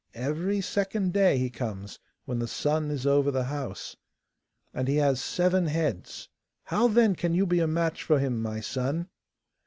Every second day he comes, when the sun is over the house. And he has seven heads. How then can you be a match for him, my son?